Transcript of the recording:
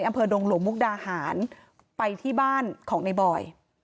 อำเภอดงหลวงมุกดาหารไปที่บ้านของในบอย